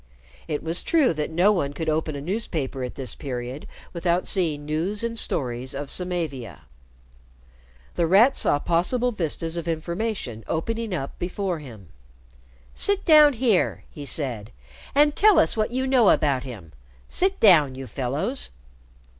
It was true that no one could open a newspaper at this period without seeing news and stories of Samavia. The Rat saw possible vistas of information opening up before him. "Sit down here," he said, "and tell us what you know about him. Sit down, you fellows."